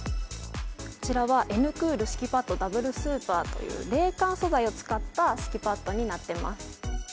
こちらは、Ｎクール敷きパッドダブルスーパーという、冷感素材を使った敷きパッドになってます。